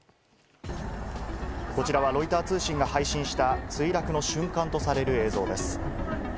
こちらはロイター通信が配信した墜落の瞬間とされる映像です。